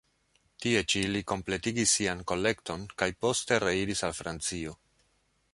Tie ĉi li kompletigis sian kolekton kaj poste reiris al Francio.